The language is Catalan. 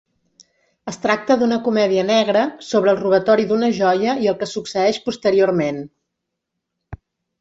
Es tracta d'una comèdia negra sobre el robatori d'una joia i el que succeeix posteriorment.